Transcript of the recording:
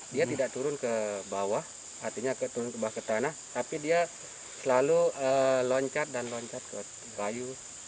dia tidak turun ke bawah artinya turun ke bawah ke tanah tapi dia selalu loncat dan loncat ke bayu